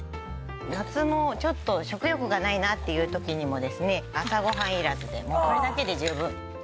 夏のちょっと食欲がないなっていう時にもですね朝ご飯いらずでもうこれだけで十分。